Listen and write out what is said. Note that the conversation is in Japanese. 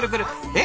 え？